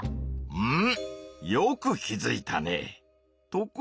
うん。